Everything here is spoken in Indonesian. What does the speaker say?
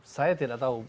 saya tidak tahu